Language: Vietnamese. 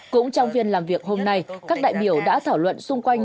cũng trong phiên làm việc hôm nay các đại biểu đã thảo luận xung quanh